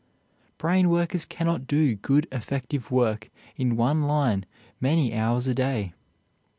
Brain workers cannot do good, effective work in one line many hours a day.